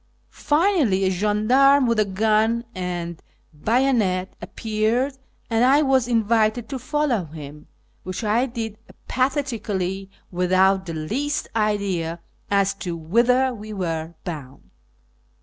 Finally, a gendarme with a gun and bayonet appeared, and I was invited to follow him, which I did apathetically, without the least idea as to whither we were bound.